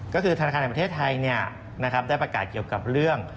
ก็คือธนาคารแห่งประเทศไทยได้ประกาศเกี่ยวกับเรื่อง